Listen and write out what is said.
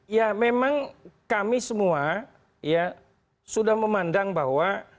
ya memang kami semua ya sudah memandang bahwa